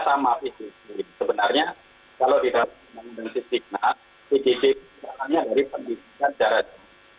kebijikannya sekolah kecil lalu mengikuti pendidikan jarak jauh